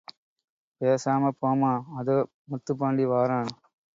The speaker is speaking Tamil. பேசாம போம்மா... அதோ முத்துப்பாண்டி வாரான்.